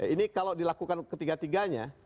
ini kalau dilakukan ketiga tiganya